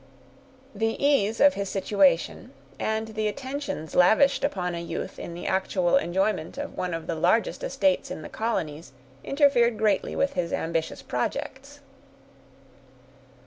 The ease of his situation, and the attentions lavished upon a youth in the actual enjoyment of one of the largest estates in the colonies, interfered greatly with his ambitious projects.